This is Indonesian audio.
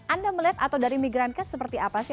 anda melihat atau dari migrancas seperti apa sih